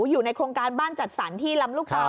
อยู่ในโครงการบ้านจัดสรรที่ลำลูกกา